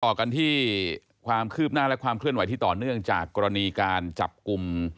ต่อกันที่ความคืบหน้าและความเคลื่อนไหวที่ต่อเนื่องจากกรณีการจับกลุ่ม